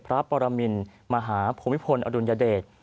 พระปรมินมหาภูมิพลอดุลยเดช